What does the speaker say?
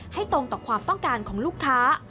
ตรงต่อความต้องการของลูกค้า